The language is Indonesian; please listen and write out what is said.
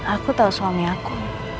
aku tahu suami aku